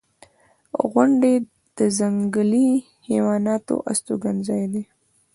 • غونډۍ د ځنګلي حیواناتو استوګنځای دی.